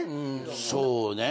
そうね。